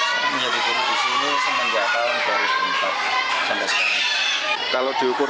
tahun ini rp lima belas tidak cukup